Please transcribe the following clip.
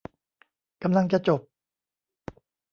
กำลังจะจบ